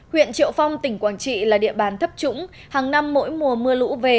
huyện triệu phong tỉnh quảng trị là địa bàn thấp trũng hàng năm mỗi mùa mưa lũ về